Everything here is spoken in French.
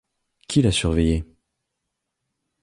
Qui l’a surveillée ?